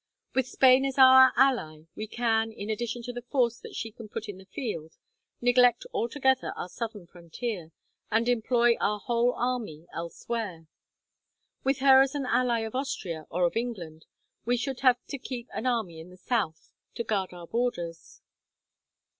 With Spain as our ally we can, in addition to the force that she can put in the field, neglect altogether our southern frontier, and employ our whole army elsewhere. With her as an ally of Austria or of England, we should have to keep an army in the south to guard our borders."